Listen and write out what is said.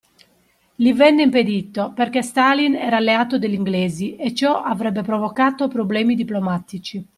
Gli venne impedito perché Stalin era alleato degli Inglesi e ciò avrebbe provocato problemi diplomatici.